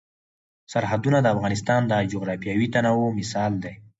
سرحدونه د افغانستان د جغرافیوي تنوع مثال دی.